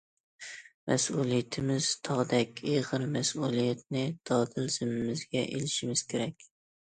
مەسئۇلىيىتىمىز تاغدەك ئېغىر، مەسئۇلىيەتنى دادىل زىممىمىزگە ئېلىشىمىز كېرەك.